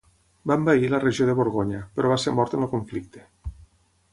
Va envair la regió de Borgonya, però va ser mort en el conflicte.